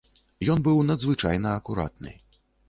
Ён быў надзвычайна акуратны.